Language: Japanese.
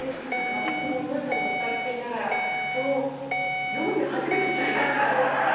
私も皆さんにお伝えしていながらこれを読んで初めて知りました。